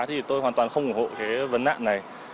thì tôi hoàn toàn không ủng hộ cái vấn nạn này